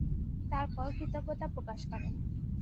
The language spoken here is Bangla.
তারপর কৃতজ্ঞতা প্রকাশ করে।